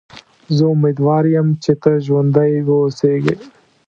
زه امیدوار یم چې ته ژوندی و اوسېږې.